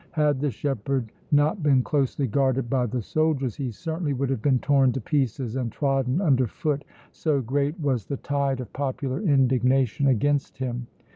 Had the shepherd not been closely guarded by the soldiers he certainly would have been torn to pieces and trodden under foot, so great was the tide of popular indignation against him.